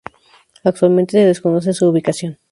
Actualmente se desconoce su ubicación.